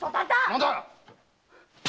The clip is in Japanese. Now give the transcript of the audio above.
何だ‼